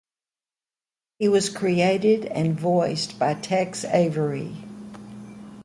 He was created and voiced by Tex Avery.